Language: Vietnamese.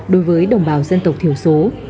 đối với đồng bào dân tộc thiểu số